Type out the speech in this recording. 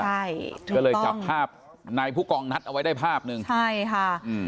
ใช่ก็เลยจับภาพในผู้กองนัดเอาไว้ได้ภาพหนึ่งใช่ค่ะอืม